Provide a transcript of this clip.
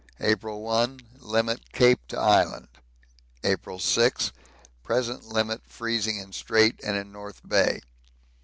April 1. Limit Cape to Island. April 6. Present limit freezing in Strait and in North Bay.